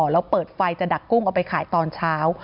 แล้วเปิดไฟจะดักกุ้งเอาไปขายตอนเช้า